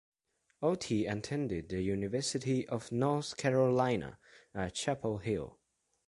Otey attended the University of North Carolina at Chapel Hill.